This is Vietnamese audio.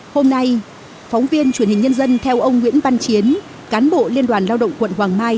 hôm nay phóng viên truyền hình nhân dân theo ông nguyễn văn chiến cán bộ liên đoàn lao động quận hoàng mai